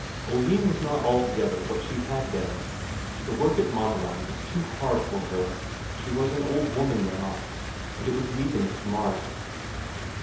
Oline was not altogether what she had been; the work at Maaneland was too hard for her; she was an old woman now, and it was leaving its mark.